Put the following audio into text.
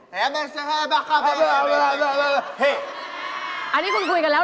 อ๋อเป็นภาษาฮิปอ๋อเป็นภาษาฮิปไม่ใช่ฮิปอะไรเนี่ย